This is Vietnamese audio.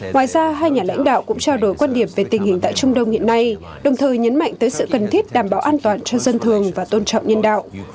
ngoài ra hai nhà lãnh đạo cũng trao đổi quan điểm về tình hình tại trung đông hiện nay đồng thời nhấn mạnh tới sự cần thiết đảm bảo an toàn cho dân thường và tôn trọng nhân đạo